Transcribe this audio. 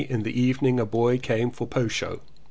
In the evening a boy came for Posho.